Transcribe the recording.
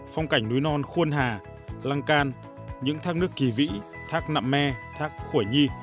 phong cảnh núi non khuôn hà lăng can những thác nước kỳ vĩ thác nạm me thác khổi nhi